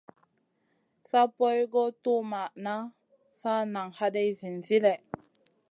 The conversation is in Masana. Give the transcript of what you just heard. Sa poy guʼ tuwmaʼna, sa nan haday zinzi lèh.